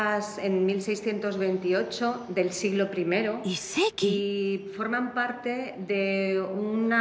１世紀？